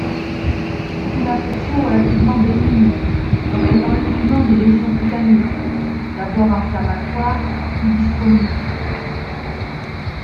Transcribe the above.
C'est une affection relativement bénigne, entrainant uniquement des lésions cutanées, d'abord inflammatoires puis dyschromiques.